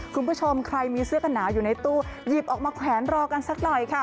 คุณผู้ชมใครมีเสื้อกันหนาวอยู่ในตู้หยิบออกมาแขวนรอกันสักหน่อยค่ะ